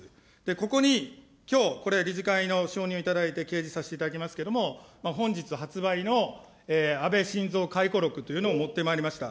ここにきょう、これ、理事会の承認をいただいて掲示させていただきますけれども、本日発売の安倍晋三回顧録というのを持ってまいりました。